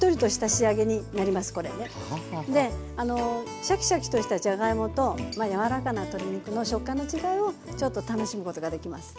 であのシャキシャキとしたじゃがいもと柔らかな鶏肉の食感の違いをちょっと楽しむことができます。